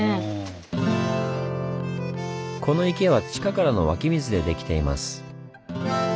この池は地下からの湧き水でできています。